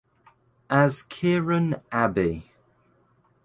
As Kieran Abbey